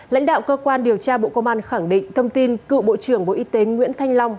lãnh đạo cơ quan điều tra bộ công an khẳng định thông tin cựu bộ trưởng bộ y tế nguyễn thanh long